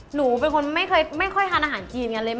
หนูเป็นคนที่ไม่ค่อยกินอาหารจีนเลย